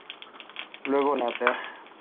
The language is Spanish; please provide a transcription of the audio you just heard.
Luego, la Dra.